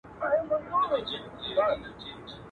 له خپل یار سره روان سو دوکاندار ته.